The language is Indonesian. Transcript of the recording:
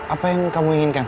apa yang kamu inginkan